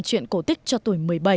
chuyện cổ tích cho tuổi một mươi bảy